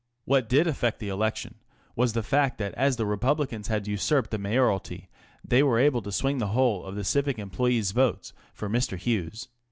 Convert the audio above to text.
What did affect the election was the fact that as the Republicans had usurped the mayoralty, they were able to swing the whole of the civic employes' votes for Mr. Hughes.